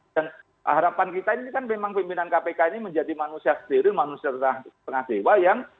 dan harapan kita ini kan memang pimpinan kpk ini menjadi manusia sendiri manusia setengah dewa yang